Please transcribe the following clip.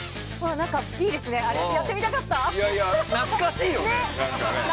いいですね、やってみたかった！